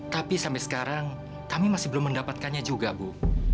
tapi sampai sekarang kami masih belum mendapatkannya juga bu